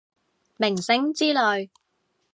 明星之類